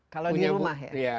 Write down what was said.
kalau di rumah ya